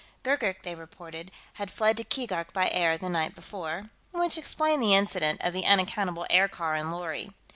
Gurgurk, they reported, had fled to Keegark by air the night before, which explained the incident of the unaccountable aircar and lorry.